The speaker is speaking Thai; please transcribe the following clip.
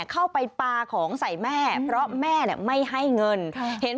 เข้าไปปลาของใส่แม่เพราะแม่เนี่ยไม่ให้เงินเห็น